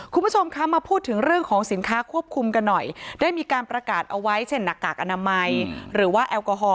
คุณผู้ชมคะมาพูดถึงเรื่องของสินค้าควบคุมกันหน่อยได้มีการประกาศเอาไว้เช่นหน้ากากอนามัยหรือว่าแอลกอฮอล